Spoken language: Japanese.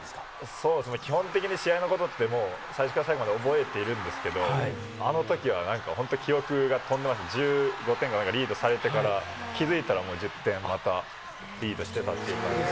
そうですね、基本的に試合のことって、もう最初から最後まで覚えているんですけど、あのときはなんか、本当記憶が飛んでまして、１５点かなんかリードされてから、気付いたら、もう１０点、またリードしてたっていう感じで。